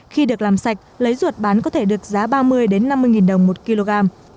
khi được làm sạch lấy ruột bán có thể được giá ba mươi năm mươi đồng một kg